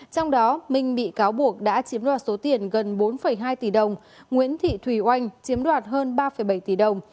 trong đó minh bị cáo buộc đã chiếm đoạt số tiền gần bốn hai tỷ đồng nguyễn thị thùy oanh chiếm đoạt hơn ba bảy tỷ đồng